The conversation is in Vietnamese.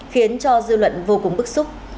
khiến cho dư luận vô cùng bức xúc